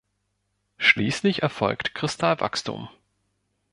Schließlich erfolgt Kristallwachstum.